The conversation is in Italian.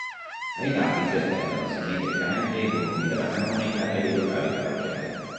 Ai lati si estendono simmetricamente i volumi della canonica e dei locali parrocchiali.